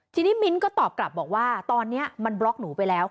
ทีนี้มิ้นท์ก็ตอบกลับบอกว่าตอนนี้มันบล็อกหนูไปแล้ว